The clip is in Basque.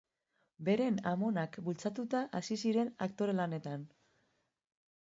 Beren amonak bultzatuta hasi ziren aktore lanetan.